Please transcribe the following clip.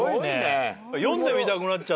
読んでみたくなっちゃった。